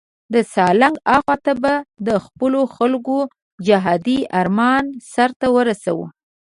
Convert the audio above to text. د سالنګ اخواته به د خپلو خلکو جهادي آرمان سرته ورسوو.